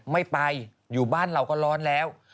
ไม่ไปอยู่บ้านเราก็ร้อนแล้ว